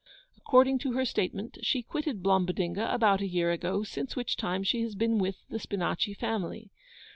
According to her statement she quitted Blombodinga about a year ago, since which time she has been with the Spinachi family.